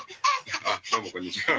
あどうもこんにちは。